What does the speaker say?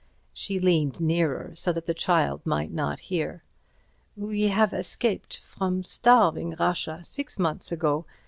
She leaned nearer, so that the child might not hear. "We have escaped—from starving Russia—six months ago.